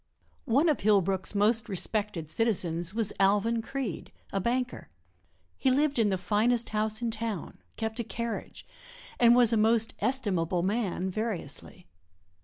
One of Hillbrook's most respected citizens was Alvan Creede, a banker. He lived in the finest house in town, kept a carriage and was a most estimable man variously.